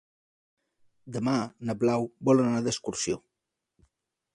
Demà na Blau vol anar d'excursió.